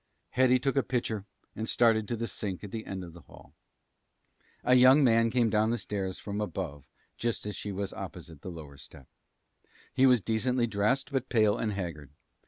Hetty took a pitcher and started to the sink at the end of the hall. A young man came down the stairs from above just as she was opposite the lower step. He was decently dressed, but pale and haggard.